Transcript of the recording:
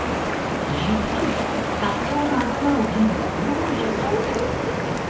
動いちゃ駄目！